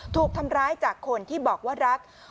ถูกทำร้ายจากคนที่บอกว่ารัก